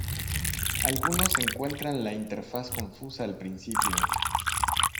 Algunos encuentran la interfaz confusa al principio.